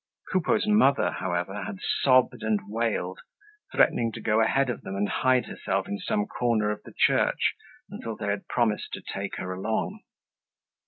Coupeau's mother, however, had sobbed and wailed, threatening to go ahead of them and hide herself in some corner of the church, until they had promised to take her along.